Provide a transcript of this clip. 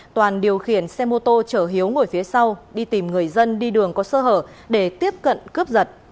toàn điều khiển xe mô tô chở hiếu ngồi phía sau đi tìm người dân đi đường có sơ hở để tiếp cận cướp giật